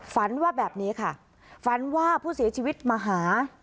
ฝันว่าแบบนี้ค่ะฝันว่าผู้เสียชีวิตมาหา